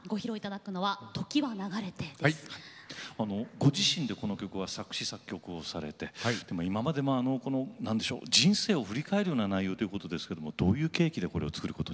ご自身でこの曲は作詞・作曲をされて今までのこの何でしょう人生を振り返るような内容ということですけどもどういう契機でこれを作ることに？